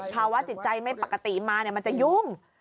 ภาวะจิตใจไม่ปกติมามันจะยุ่ง